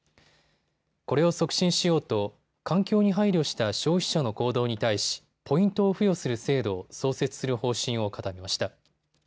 これを促進しようと環境に配慮した消費者の行動に対しポイントを付与する制度を創設する方針を固めました。